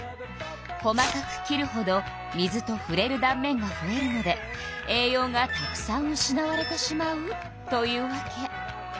細かく切るほど水とふれるだん面がふえるので栄養がたくさん失われてしまうというわけ。